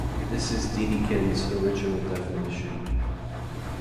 This is Dedekind's original definition.